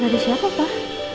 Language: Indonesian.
chat dari siapa pak